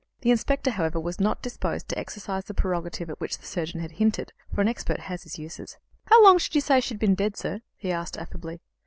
The inspector, however, was not disposed to exercise the prerogative at which the surgeon had hinted; for an expert has his uses. "How long should you say she'd been dead, sir?" he asked affably.